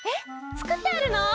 つくってあるの？